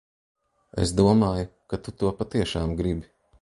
Es domāju, ka tu to patiešām gribi.